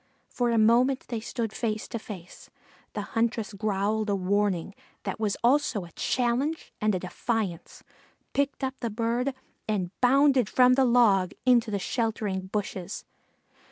For a moment they stood face to face. The huntress growled a warning that was also a challenge and a defiance, picked up the bird and bounded from the log into the sheltering bushes.